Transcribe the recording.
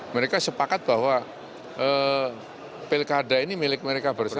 mereka sepakat bahwa pilkada ini milik mereka bersama